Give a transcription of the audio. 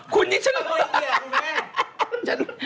คุณนี่ชื่อ